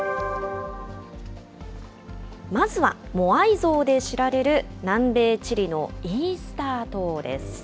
まずは、モアイ像で知られる南米チリのイースター島です。